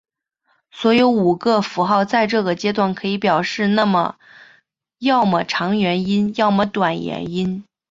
所有五个符号在这个阶段可以表示要么长元音要么短元音。